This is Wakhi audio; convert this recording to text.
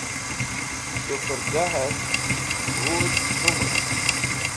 Shupergavẽb g̃huz hũmit.